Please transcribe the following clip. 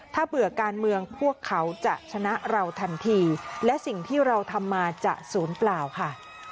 ถ้าเบื่อการเมืองพวกเขาจะชนะเราทันทีและสิ่งที่เราทำมาจะศูนย์เปล่าค่ะ